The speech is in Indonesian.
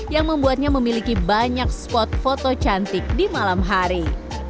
yang membuatnya memiliki banyak spot foto cantik di malam hari